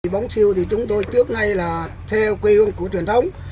bóng chiều thì chúng tôi trước ngay là theo quê hương của truyền thống